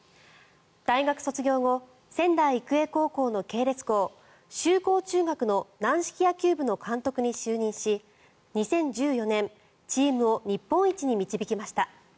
大学卒業後仙台育英高校の系列校秀光中学の軟式野球部の監督に就任し２０１４年チームを日本一に導きました。